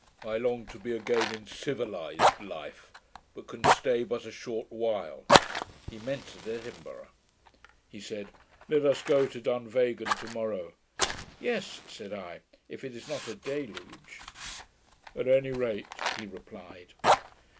I long to be again in civilized life; but can stay but for a short while' (he meant at Edinburgh). He said, 'Let us go to Dunvegan to morrow.' 'Yes,' said I, 'if it is not a deluge.' 'At any rate,' he replied.